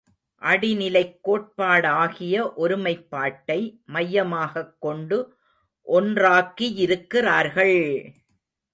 அடிநிலைக் கோட்பாடாகிய ஒருமைப்பாட்டை மையமாகக் கொண்டு ஒன்றாக்கி யிருக்கிறார்கள்!